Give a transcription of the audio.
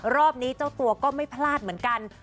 รอบนี้เจ้าตัวก็ไม่พลาดเหมือนกัน